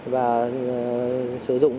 và sử dụng